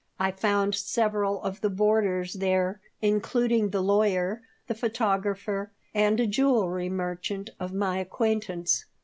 I found several of the boarders there, including the lawyer, the photographer, and a jewelry merchant of my acquaintance.